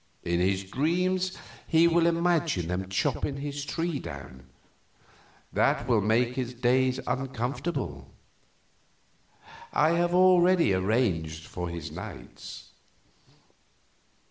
In his dreams he will imagine them chopping his tree down. That will make his days uncomfortable I have already arranged for his nights."